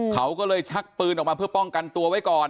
เขาก็เลยชักปืนออกมาเพื่อป้องกันตัวไว้ก่อน